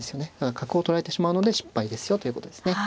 角を取られてしまうので失敗ですよということですね。